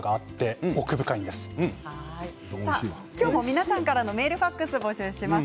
今日も皆さんからのメールファックスを募集します。